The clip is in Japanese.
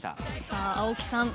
さあ青木さん。